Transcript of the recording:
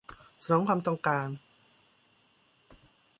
สนองความต้องการ